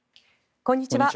こんにちは。